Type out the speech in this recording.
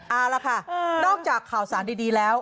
เอาล่ะค่ะนอกจากข่าวสารดีแล้ว